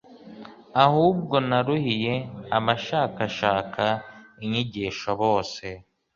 ahubwo naruhiye abashakashaka inyigisho bose